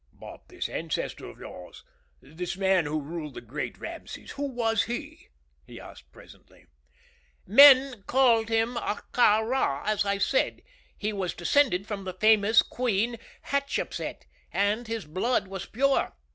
"But this ancestor of yours the man who ruled the Great Rameses who was he?" he asked, presently. "Men called him Ahtka Rā, as I said. He was descended from the famous Queen Hatshepset, and his blood was pure.